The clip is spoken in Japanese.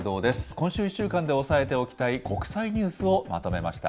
今週１週間で押さえておきたい国際ニュースをまとめました。